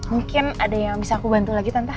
mungkin ada yang bisa aku bantu lagi tante